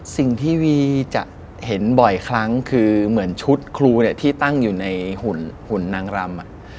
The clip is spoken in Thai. ซีวีจะเห็นบ่อยครั้งคือเหมือนชุดครูเนี่ยที่ตั้งอยู่ในหุ่นนางรำ